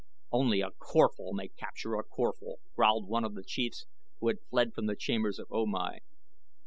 "Only a Corphal may capture a Corphal," growled one of the chiefs who had fled from the chambers of O Mai.